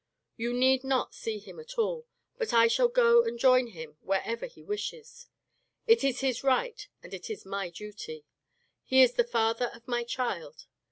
You need not see him at all, but I shall go and join him wherever he wishes. It is his right and it is my duty. He is the father of my child.